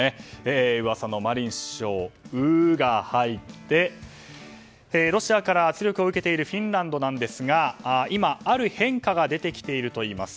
噂のマリン首相の「ウ」が入ってロシアから圧力を受けているフィンランドですが今、ある変化が出てきているといいます。